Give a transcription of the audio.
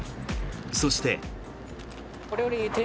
そして。